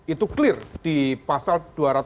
itu clear di pasal